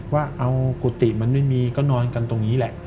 ว่าเอากุฏิมันไม่มีก็นอนกันตรงนี้แหละ